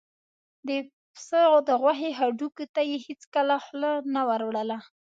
د پس د غوښې هډوکي ته یې هېڅکله خوله نه وروړله.